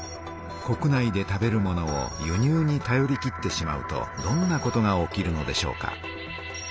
国内で食べるものを輸入にたよりきってしまうとどんなことが起きるのでしょうか？